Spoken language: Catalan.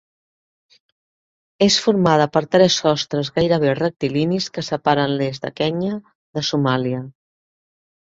És formada per tres sostres gairebé rectilinis que separen l'est de Kenya de Somàlia.